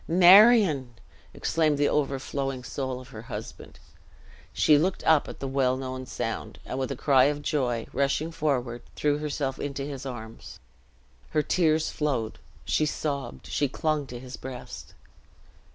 "Marion!" exclaimed the overflowing soul of her husband. She looked up at the well known sound, and with a cry of joy, rushing forward, threw herself into his arms; her tears flowed, she sobbed she clung to his breast.